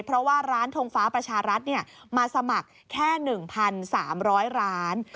เพราะว่าร้านทงฟ้าประชารัฐมาสมัครแค่๑๓๐๐ร้าน